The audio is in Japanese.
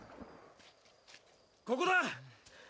ここだ！